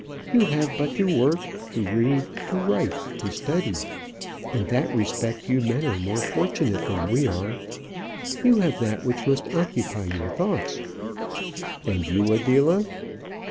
You have but to work; to read, to write, to study. In that respect, you men are more fortunate than we are. You have that which must occupy your thoughts." "And you, Adela